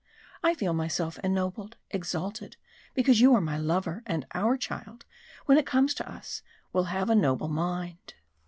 I feel myself ennobled, exalted, because you are my lover, and our child, when it comes to us, will have a noble mind."